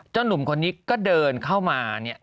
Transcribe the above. หนุ่มคนนี้ก็เดินเข้ามาเนี่ย